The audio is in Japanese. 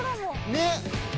ねっ。